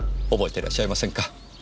覚えてらっしゃいませんか？